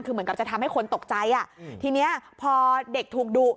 คือเหมือนกับจะทำให้คนตกใจอ่ะทีเนี้ยพอเด็กถูกดุ